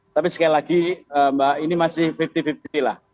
tapi sekali lagi mbak ini masih lima puluh lima puluh lah